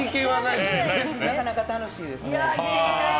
なかなか楽しいですよ。